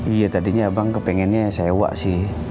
iya tadinya abang kepengennya sewa sih